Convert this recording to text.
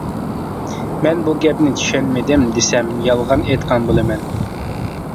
مەن بۇ گەپنى چۈشەنمىدىم دېسەم، يالغان ئېيتقان بولىمەن.